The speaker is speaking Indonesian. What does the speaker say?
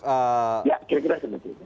ya kira kira sudah